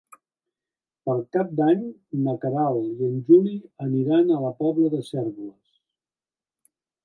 Per Cap d'Any na Queralt i en Juli aniran a la Pobla de Cérvoles.